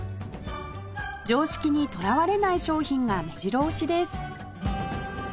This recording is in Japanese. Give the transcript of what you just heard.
常識にとらわれない商品が目白押しです